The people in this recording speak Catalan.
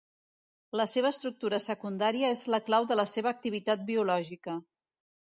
La seva estructura secundària és la clau de la seva activitat biològica.